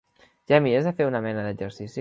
Ja mires de fer una mena d'exercici?